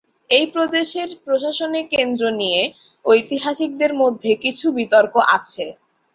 এই প্রদেশের প্রশাসনিক কেন্দ্র নিয়ে ঐতিহাসিকদের মধ্যে কিছু বিতর্ক আছে।